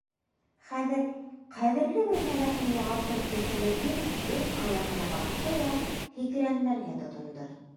Хәҙер ҡәҙерле бер нәмәһен юғалтыр төҫлө ир уң аяғына баҫты ла һикерәнләргә тотондо.